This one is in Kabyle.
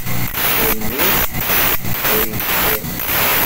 Tanemmirt, dayen ččiɣ.